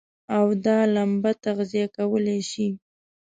او دا لمبه تغذيه کولای شي.